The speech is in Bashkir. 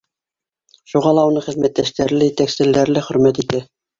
Шуға ла уны хеҙмәттәштәре лә, етәкселәре лә хөрмәт итә.